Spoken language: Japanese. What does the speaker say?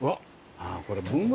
あぁこれ。